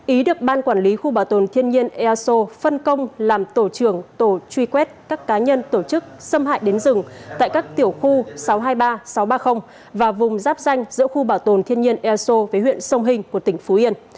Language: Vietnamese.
ý được ban quản lý khu bảo tồn thiên nhiên eso phân công làm tổ trưởng tổ truy quét các cá nhân tổ chức xâm hại đến rừng tại các tiểu khu sáu trăm hai mươi ba sáu trăm ba mươi và vùng giáp danh giữa khu bảo tồn thiên nhiên eso với huyện sông hình của tỉnh phú yên